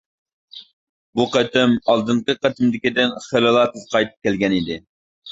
بۇ قېتىم ئالدىنقى قېتىمدىكىدىن خېلىلا تېز قايتىپ كەلگەن ئىدى.